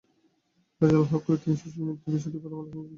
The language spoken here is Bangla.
রেজাউল হক ওই তিন শিশুর মৃত্যুর বিষয়টি প্রথম আলোকে নিশ্চিত করেছেন।